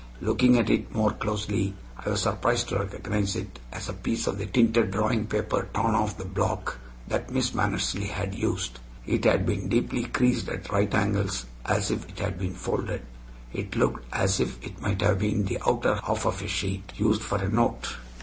Looking at it more closely, I was surprised to recognize it as a piece of the tinted drawing paper torn off the "block" that Miss Mannersley had used. It had been deeply creased at right angles as if it had been folded; it looked as if it might have been the outer half of a sheet used for a note.